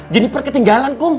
jeniper ketinggalan kum